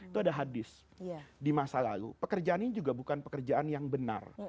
itu ada hadis di masa lalu pekerjaan ini juga bukan pekerjaan yang benar